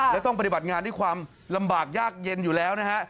แล้วต้องปฏิบัติงานด้วยความลำบากยากเย็นอยู่แล้วนะฮะ